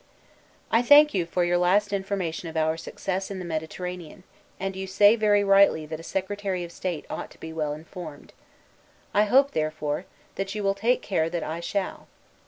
I thank you for your last information of our success in the Mediterranean, and you say very rightly that a secretary of state ought to be well informed. I hope, therefore, you will take care that I shall.